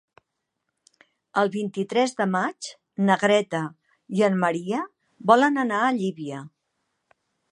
El vint-i-tres de maig na Greta i en Maria volen anar a Llívia.